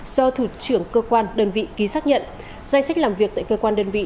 do thủ trưởng cơ quan đơn vị ký xác nhận danh sách làm việc tại cơ quan đơn vị